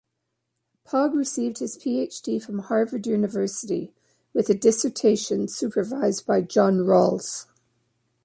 Pogge received his Ph.D. from Harvard University with a dissertation supervised by John Rawls.